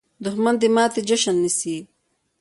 دښمن د ماتې جشن نیسي